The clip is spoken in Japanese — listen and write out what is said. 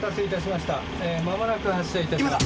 「まもなく発車いたします」